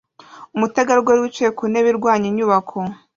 Umutegarugori wicaye ku ntebe irwanya inyubako